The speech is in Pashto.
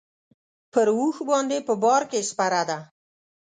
پر اوښ باندې په بار کې سپره ده.